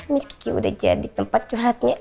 mis gigi udah jadi tempat curhatnya